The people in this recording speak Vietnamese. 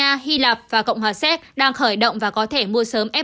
tây ban nha hy lạp và cộng hòa xét đang khởi động và có thể mua sớm f ba mươi năm